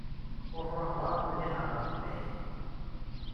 Ur truḥeḍ ara mliḥ ɣer lebɛid.